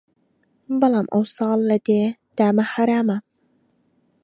بەڵام ئەو ساڵ لە دێ دامە حەرامە